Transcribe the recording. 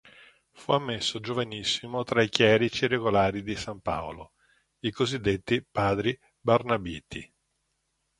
Fu ammesso giovanissimo tra i Chierici Regolari di San Paolo, i cosiddetti "Padri Barnabiti".